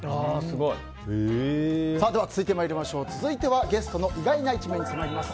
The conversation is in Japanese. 続いてはゲストの意外な一面に迫ります